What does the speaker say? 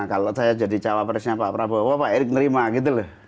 kalau saya jadi cawapresnya pak prabowo pak erick nerima gitu loh